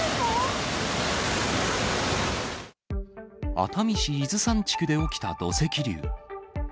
熱海市伊豆山地区で起きた土石流。